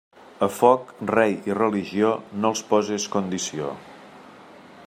A foc, rei i religió, no els poses condició.